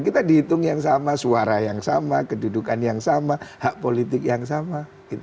kita dihitung yang sama suara yang sama kedudukan yang sama hak politik yang sama